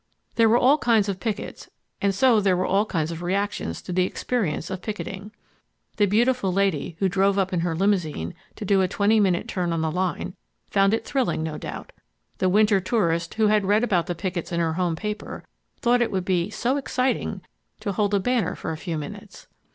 There were all kinds of pickets and so there were all kinds of reactions to the experience of picketing. The beautiful lady, who drove up in her limousine to do a twenty minute turn on the line, found it thrilling, no doubt. The winter tourist who had read about the pickets in her home paper thought it would be "so exciting" to hold a banner for a few minutes.